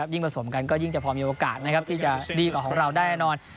ยิ่งผสมกันก็ยิ่งจะพอมีโอกาสที่จะดีกว่าของเราแน่นอน